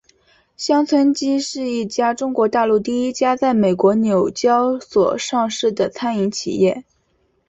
乡村基是一家中国大陆第一家在美国纽交所上市的餐饮企业。